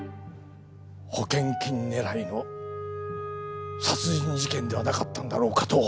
保険金狙いの殺人事件ではなかったんだろうかと。